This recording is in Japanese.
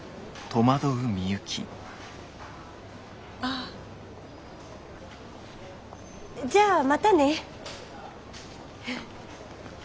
あじゃあまたね。